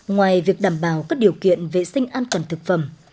ngoài việc đảm bảo các điều kiện vệ sinh an toàn thực phẩm